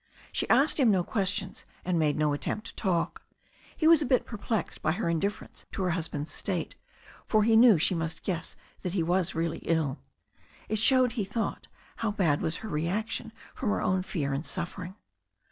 She asked him no questions, and made no attempt to talk. He was a bit perplexed by her indiffer ence to her husband's state, for he knew she must guess that he was really ill. It showed, he thought, how bad was her reaction from her own fear and suffering.